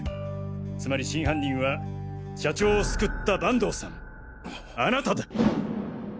つまり真犯人は社長を救った板東さんあなただ！